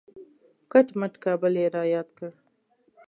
کټ مټ کابل یې را یاد کړ.